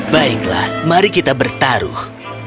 baiklah mari kita bertaruh